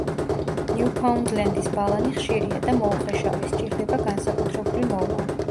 ნიუფაუნდლენდის ბალანი ხშირია და მოუხეშავი, სჭირდება განსაკუთრებული მოვლა.